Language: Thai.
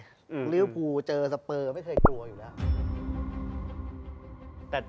หรือว่าผมเจอสเปอร์ไม่เคยกลัวอยู่แล้ว